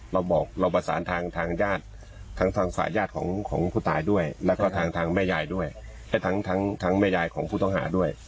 เราบอกเราประสานทางญาติทั้งทางฝ่ายญาติของผู้ตายด้วยแล้วก็ทางแม่ยายด้วยและทั้งแม่ยายของผู้ต้องหาด้วย